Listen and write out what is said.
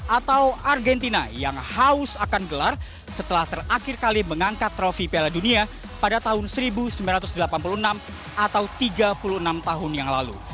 atau argentina yang haus akan gelar setelah terakhir kali mengangkat trofi piala dunia pada tahun seribu sembilan ratus delapan puluh enam atau tiga puluh enam tahun yang lalu